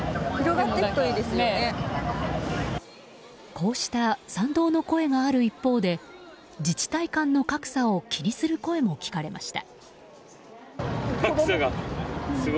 こうした賛同の声がある一方で自治体間の格差を気にする声も聞かれました。